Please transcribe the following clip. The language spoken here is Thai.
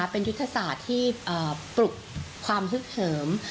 เป็นยุทธศาสตร์ที่ปลุกความฮึกเหิม